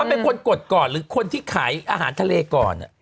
เป็นคนกดก่อนหรือคนที่ขายอาหารทะเลก่อน